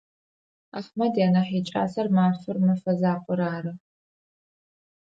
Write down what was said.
Ахьмэд янахь икӏасэрэ мэфэр мэфэзакъор ары.